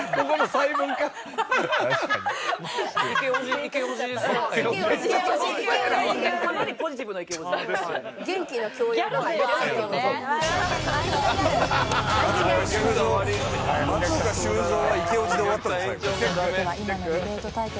最後」さあでは今のディベート対決